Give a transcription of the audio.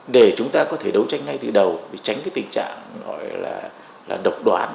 để chúng ta có thể đấu tranh ngay từ đầu để tránh cái tình trạng gọi là độc đoán